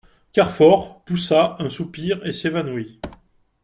Carfor poussa un soupir et s'évanouit.